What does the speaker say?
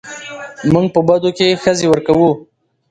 موږ په بدو کې ښځې ورکوو